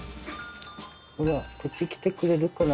ほらこっち来てくれるかな？